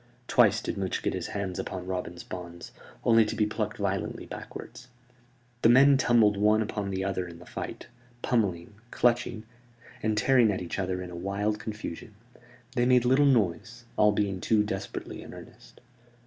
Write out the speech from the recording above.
Twice did Much get his hands upon Robin's bonds, only to be plucked violently backward. The men tumbled one upon the other in the fight, pummelling, clutching, and tearing at each other in a wild confusion. They made little noise, all being too desperately in earnest.